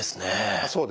そうです。